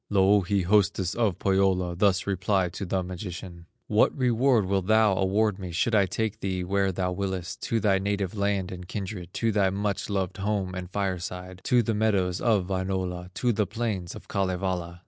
Louhi, hostess of Pohyola, Thus replied to the magician: "What reward wilt thou award me, Should I take thee where thou willest, To thy native land and kindred, To thy much loved home and fireside, To the meadows of Wainola, To the plains of Kalevala?"